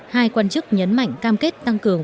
hai quan chức nhấn mạnh cam kết tăng cường